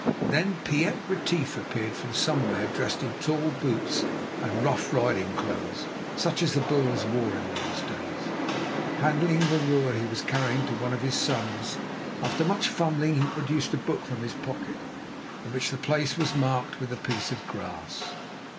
Then Piet Retief appeared from somewhere dressed in tall boots and rough riding clothes, such as the Boers wore in those days. Handing the roer he was carrying to one of his sons, after much fumbling he produced a book from his pocket, in which the place was marked with a piece of grass.